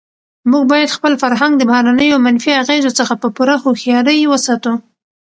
موږ باید خپل فرهنګ د بهرنیو منفي اغېزو څخه په پوره هوښیارۍ وساتو.